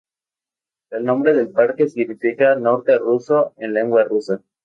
El nombre del parque significa Norte ruso en lengua rusa.